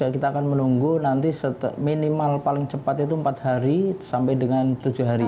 kita akan menunggu nanti minimal paling cepat itu empat hari sampai dengan tujuh hari